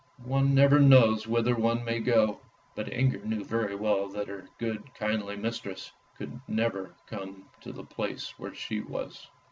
One never knows whither one may go! " But Inger knew very well that her good kindly mistress could never come to the place where she was.